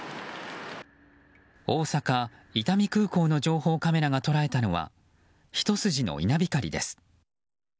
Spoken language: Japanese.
大阪・伊丹空港の情報カメラが捉えたのはひと筋の稲光です。